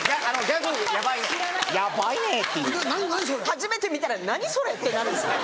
初めて見たら「何？それ」ってなるんですね。